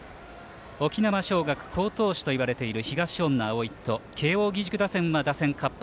沖縄尚学、好投手といわれている東恩納蒼と慶応義塾打線は打線活発。